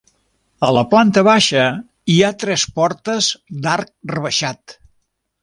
A la planta baixa hi ha tres portes d'arc rebaixat.